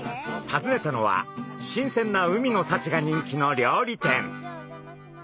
訪ねたのはしんせんな海のさちが人気の料理店。